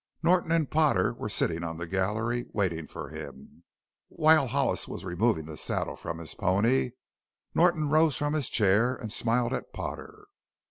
Norton and Potter were sitting on the gallery, waiting for him. While Hollis was removing the saddle from his pony Norton rose from his chair and smiled at Potter.